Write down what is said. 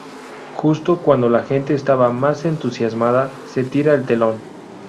Justo cuando la gente estaba más entusiasmada, se tira el telón.